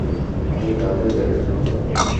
আমি তাদের দেখাশোনা করব।